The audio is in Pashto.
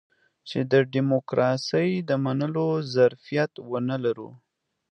چې د ډيموکراسۍ د منلو ظرفيت ونه لرو.